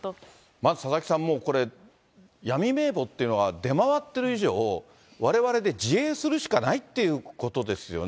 まず佐々木さん、これ、闇名簿っていうのが出回ってる以上、われわれで自衛するしかないっていうことですよね。